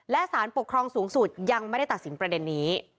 และสารปกครองสูงสุดยังไม่ได้ตัดสินประเด็นนี้